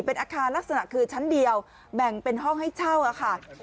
เป็นอาคารลักษณะคือชั้นเดียวแบ่งเป็นห้องให้เช่าค่ะ